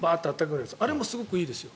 あれもすごくいいですよ